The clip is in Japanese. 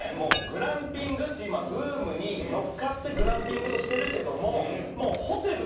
グランピングって今ブームに乗っかってグランピングとしてるけども。